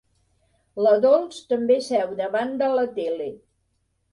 La Dols també seu davant de la tele.